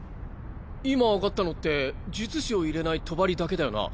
今上がったのって術師を入れない帳だけだよな？